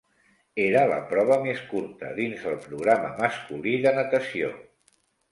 Era la prova més curta dins el programa masculí de natació.